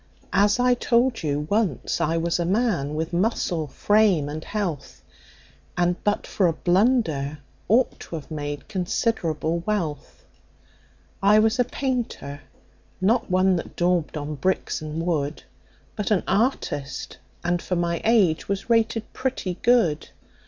As I told you, once I was a man, with muscle, frame, and health, And but for a blunder ought to have made considerable wealth. "I was a painter not one that daubed on bricks and wood, But an artist, and for my age, was rated pretty good.